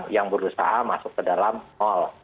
yang berusaha masuk ke dalam mal